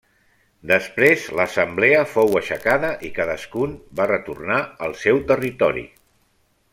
Després l'assemblea fou aixecada i cadascun va retornar al seu territori.